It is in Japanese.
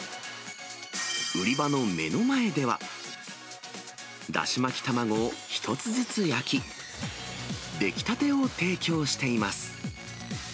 売り場の目の前では、だし巻き卵を一つずつ焼き、出来たてを提供しています。